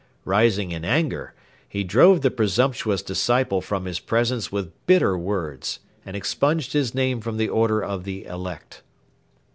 Rising in anger, he drove the presumptuous disciple from his presence with bitter words, and expunged his name from the order of the elect.